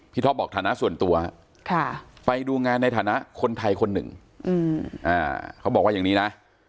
ท็อปบอกฐานะส่วนตัวไปดูงานในฐานะคนไทยคนหนึ่งเขาบอกว่าอย่างนี้นะ